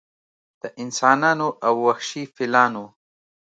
د انسانانو او وحشي فیلانو